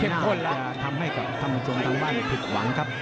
ไม่น่าจะทำให้กับท่านผู้ชมทางบ้านผิดหวังครับ